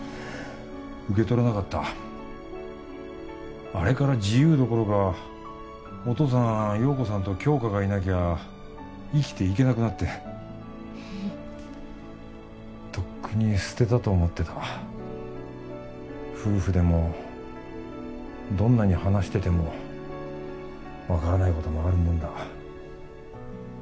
受け取らなかったあれから自由どころかお父さん陽子さんと杏花がいなきゃ生きていけなくなってふふとっくに捨てたと思ってた夫婦でもどんなに話してても分からないこともあるもんだ